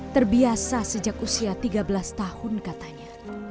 terbiasa sejak usia tiga belas tahun katanya